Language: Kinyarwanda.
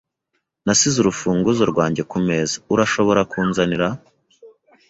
Nasize urufunguzo rwanjye kumeza. Urashobora kunzanira?